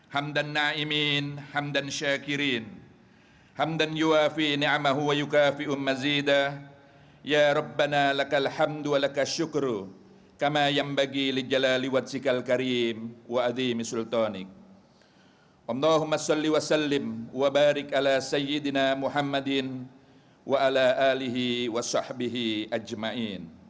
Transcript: tanda kebesaran bukaan naskah proklamasi